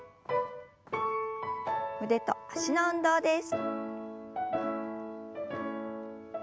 腕と脚の運動です。